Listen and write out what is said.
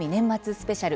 スペシャル